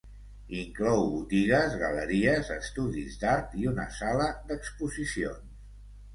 Inclou botigues, galeries, estudis d'art i una sala d'exposicions.